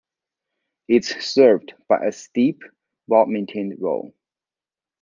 It is served by a steep, well maintained road.